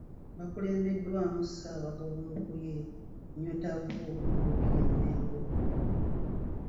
Bakulembeddwamu Ssaabagabo Mukuye Nyotavvu mu Lubiri e Mmengo.